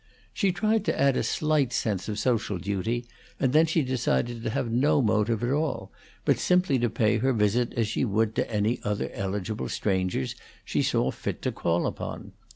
She tried to add a slight sense of social duty, and then she decided to have no motive at all, but simply to pay her visit as she would to any other eligible strangers she saw fit to call upon.